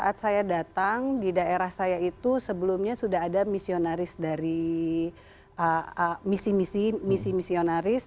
saat saya datang di daerah saya itu sebelumnya sudah ada misionaris dari misi misi misionaris